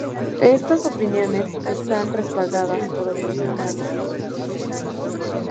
Estas opiniones están respaldadas por otros análisis legales.